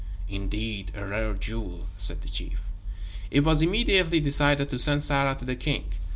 "Indeed, a rare jewel," said the chief. It was immediately decided to send Sarah to the king.